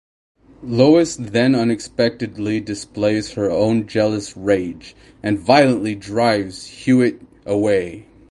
Lois then unexpectedly displays her own jealous rage, and violently drives Hewitt away.